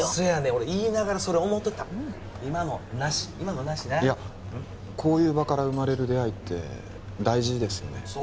俺言いながらそれ思てた今のナシ今のナシないやこういう場から生まれる出会いって大事ですよね